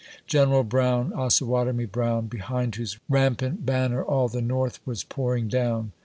General Brown, Osawatomie Brown! Behind whose rampant banner all the North was pouring down.